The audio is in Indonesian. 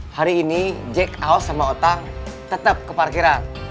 hari ini jack aus sama otang tetap ke parkiran